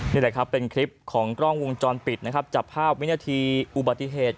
นี่แหละครับเป็นคลิปของกล้องวงจรปิดนะครับจับภาพวินาทีอุบัติเหตุ